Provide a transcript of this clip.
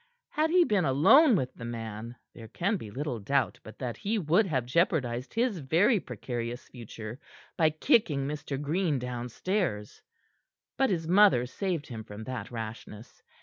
Had he been alone with the man, there can be little doubt but that he would have jeopardized his very precarious future by kicking Mr. Green downstairs. But his mother saved him from that rashness.